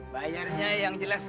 bayarnya yang jelas